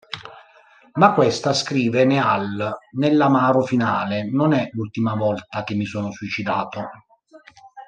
Ma questa, scrive Neal nell'amaro finale, "non è l'ultima volta che mi sono suicidato".